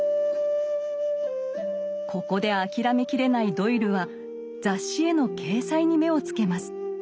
ここで諦めきれないドイルは雑誌への掲載に目をつけます。